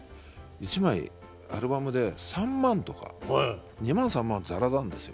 １枚アルバムで３万とか２万３万ザラなんですよ。